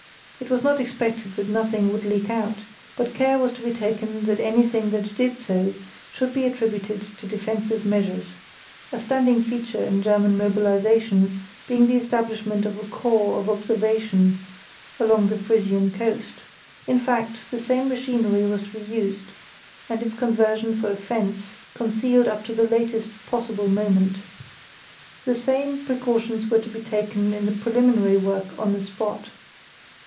It was not expected that nothing would leak out, but care was to be taken that anything that did do so should be attributed to defensive measures—a standing feature in German mobilisation being the establishment of a corps of observation along the Frisian coast; in fact, the same machinery was to be used, and its conversion for offence concealed up to the latest possible moment. The same precautions were to be taken in the preliminary work on the spot.